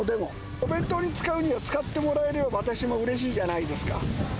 お弁当に使うには、使ってもらえれば、私もうれしいじゃないです